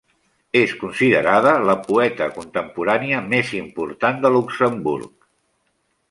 És considerada la poeta contemporània més important de Luxemburg.